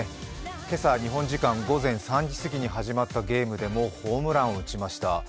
今朝、日本時間午前３時過ぎに始まった試合でもホームランを打ちました。